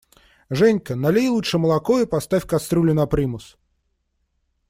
Женька, налей лучше молоко и поставь кастрюлю на примус!